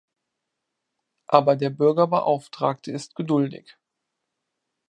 Aber der Bürgerbeauftragte ist geduldig.